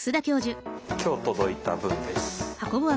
今日届いた分です。